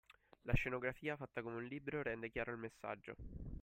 La scenografia, fatta come un libro rende chiaro il messaggio